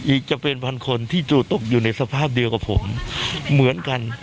อีกจะเป็นพันคนที่จู่ตกอยู่ในสภาพเดียวกับผมเหมือนกัน